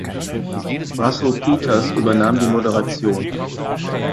Russell Peters übernahm die Moderation.